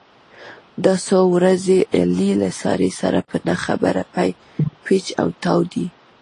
دا څو ورځې علي له سارې سره په نه خبره پېچ او تاو دی.